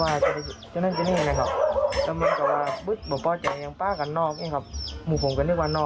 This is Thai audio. มูผมเขาไปถามของในโรงเรียนก่อนครับว่า